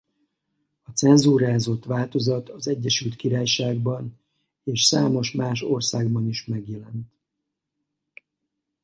A cenzúrázott változat az Egyesült Királyságban és számos más országban is megjelent.